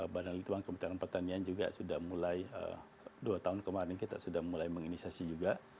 badan lituan kementerian pertanian juga sudah mulai dua tahun kemarin kita sudah mulai menginisiasi juga